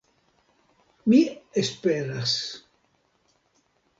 Mi esperas...